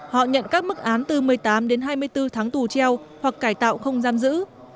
họ nhận các mức án từ một mươi tám đến hai mươi bốn tháng tù treo hoặc cải tạo không giam giữ